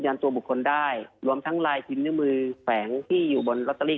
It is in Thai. ยัดตัวบุคคลได้รวมทั้งลายนิ้วมือแผงที่อยู่บนรอตตาลี